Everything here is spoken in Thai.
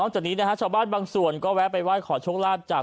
ชาวบ้านบางส่วนยังวัยวาดขอโชคลาภจาก